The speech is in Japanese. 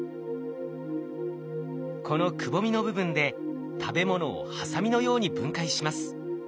このくぼみの部分で食べ物をハサミのように分解します。